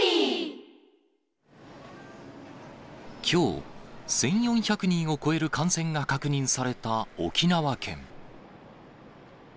きょう、１４００人を超える感染が確認された沖縄県。